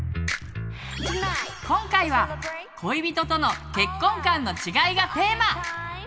今回は「恋人との結婚観の違い」がテーマ。